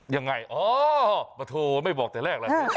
ยังไงอ๋อมาโทรไม่บอกแต่แรกแล้ว